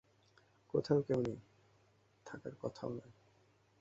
কোথাও কেউ নেই, থাকার কথাও নয়।